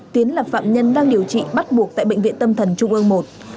tiến là phạm nhân đang điều trị bắt buộc tại bệnh viện tâm thần trung ương i